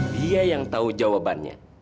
dia yang tahu jawabannya